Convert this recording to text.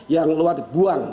yang luar dibuang